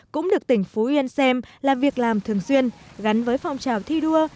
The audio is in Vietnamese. cũng được tỉnh phú yên xem là việc làm thường xuyên gắn với phong trào thi đua